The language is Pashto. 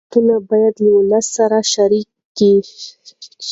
واقعیتونه باید له ولس سره شریک شي.